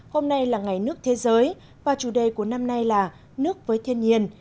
hôm nay là ngày nước thế giới và chủ đề của năm nay là nước với thiên nhiên